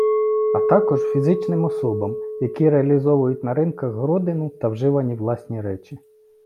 А також фізичним особам, які реалізовують на ринках городину та вживані власні речі.